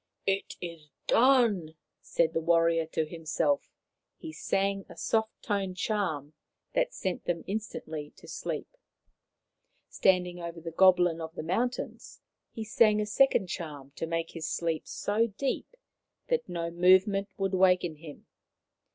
" It is done !" said the warrior to himself. He sang a soft toned charm that sent them instantly to sleep. Standing over the goblin of the mountains, he sang a second charm to make his sleep so deep that no movement would waken him.